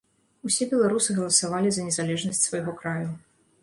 Усе беларусы галасавалі за незалежнасць свайго краю.